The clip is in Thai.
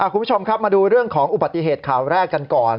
คุณผู้ชมครับมาดูเรื่องของอุบัติเหตุข่าวแรกกันก่อน